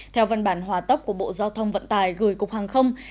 theo văn bản hòa tóc của bộ giao thông vận tài gửi cục hàng không